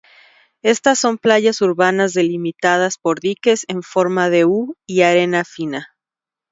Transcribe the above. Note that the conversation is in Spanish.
Estas son playas urbanas delimitadas por diques en forma de U y arena fina.